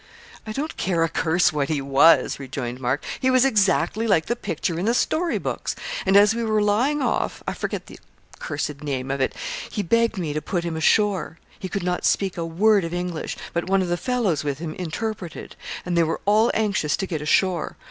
'I don't care a curse what he was,' rejoined Mark; 'he was exactly like the picture in the story books. And as we were lying off I forget the cursed name of it he begged me to put him ashore. He could not speak a word of English, but one of the fellows with him interpreted, and they were all anxious to get ashore.